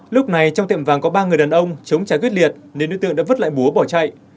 lúc này trong tiệm vàng có ba người đàn ông chống trả quyết liệt nên đối tượng đã vứt lại búa bỏ chạy